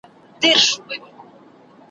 ښه ویلي دي سعدي په ګلستان کي `